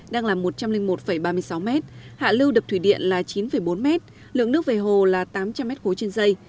đang là một trăm linh một ba mươi sáu m hạ lưu đập thủy điện là chín bốn mét lượng nước về hồ là tám trăm linh m ba trên dây